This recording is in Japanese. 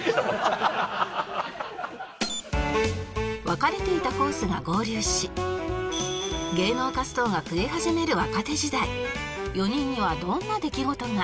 分かれていたコースが合流し芸能活動が増え始める若手時代４人にはどんな出来事が？